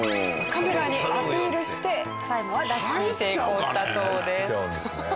カメラにアピールして最後は脱出に成功したそうです。